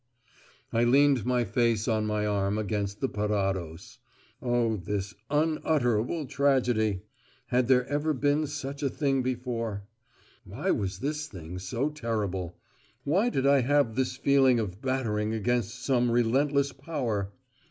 I leaned my face on my arm against the parados. Oh, this unutterable tragedy! Had there ever been such a thing before? Why was this thing so terrible? Why did I have this feeling of battering against some relentless power?